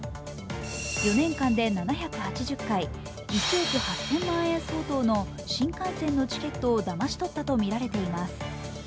４年間で７８０回、１億８０００万円相当の新幹線のチケットをだまし取ったとみられています。